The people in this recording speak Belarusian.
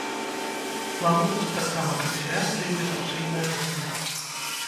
Плануюцца таксама канферэнцыі і дыскусійныя клубы.